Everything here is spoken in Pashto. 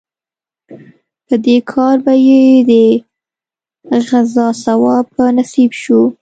په دې کار به یې د غزا ثواب په نصیب شو.